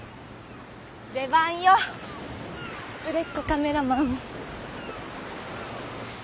出番よ売れっ子カメラマン。